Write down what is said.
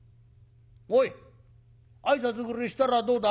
おい挨拶ぐれえしたらどうだ？